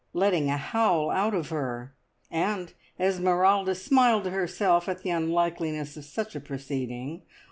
"letting a howl out of her," and Esmeralda smiled to herself at the unlikeliness of such a proceeding.